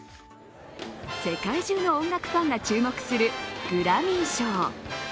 世界中の音楽ファンが注目するグラミー賞。